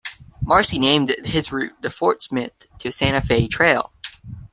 Marcy named his route the Fort Smith to Santa Fe Trail.